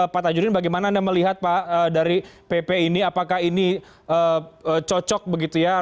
pak tajudin bagaimana anda melihat pak dari pp ini apakah ini cocok begitu ya